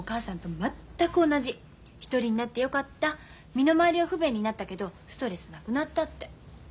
身の回りは不便になったけどストレスなくなった」って。